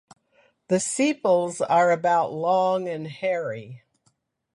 The sepals are about long and hairy.